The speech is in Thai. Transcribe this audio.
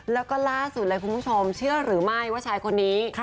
แล้วก็ล่าสุดเลยคุณผู้ชมเชื่อหรือไม่ว่าชายคนนี้